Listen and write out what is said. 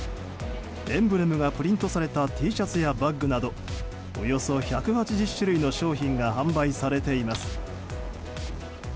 エンブレムがプリントされたＴシャツやバックなどおよそ１８０種類の商品が販売されています。